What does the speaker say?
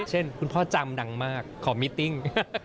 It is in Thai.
เช่นคุณพ่อจามดังมากขอมีตติ้ง